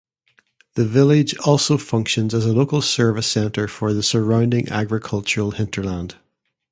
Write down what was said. The village also functions as a local service centre for the surrounding agricultural hinterland.